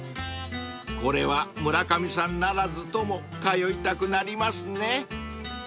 ［これは村上さんならずとも通いたくなりますね］